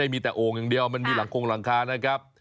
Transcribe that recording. มีแต่โอ่งอย่างเดียวมันมีหลังคงหลังคานะครับ